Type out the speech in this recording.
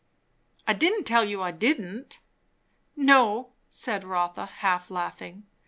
"I didn't tell you I didn't." "No," said Rotha, half laughing.